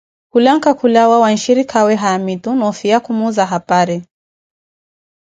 Khulanka kulawa wa nshirikaawe Haamitu, noofiya Khumuza hapari.